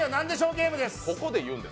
ゲーム」です。